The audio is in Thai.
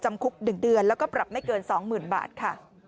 จำคุก๑เดือนและปรับไม่เกิน๒๐๐๐๐บาท